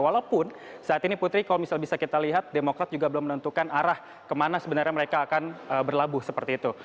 walaupun saat ini putri kalau misalnya bisa kita lihat demokrat juga belum menentukan arah kemana sebenarnya mereka akan berlabuh seperti itu